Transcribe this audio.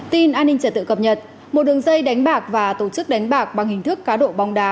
tin an ninh trật tự cập nhật một đường dây đánh bạc và tổ chức đánh bạc bằng hình thức cá độ bóng đá